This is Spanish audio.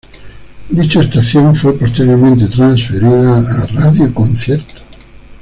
Dicha estación fue posteriormente transferida a Radio Concierto.